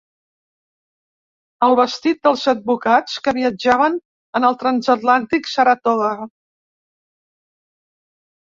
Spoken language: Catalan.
El vestit dels advocats que viatjaven en el transatlàntic Saratoga.